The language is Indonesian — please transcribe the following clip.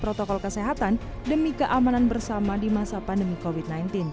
protokol kesehatan demi keamanan bersama di masa pandemi covid sembilan belas